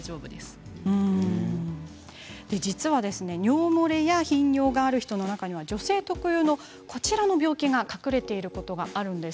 実は尿漏れや頻尿がある人の中には女性特有のこちらの病気が隠れていることがあるんです。